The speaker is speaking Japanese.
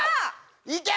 いけ！